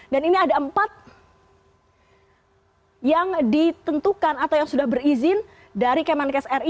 dan ini ada empat yang ditentukan atau yang sudah berizin dari kemenkes ri